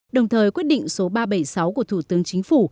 đồng thời quyết định số ba trăm bảy mươi sáu của thủ tướng chính phủ